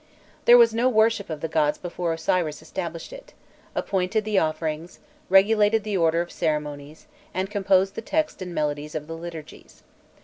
There was no worship of the gods before Osiris established it, appointed the offerings, regulated the order of ceremonies, and composed the texts and melodies of the liturgies.